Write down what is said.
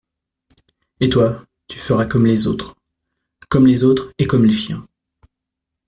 Et toi, tu feras comme les autres : comme les autres et comme les chiens.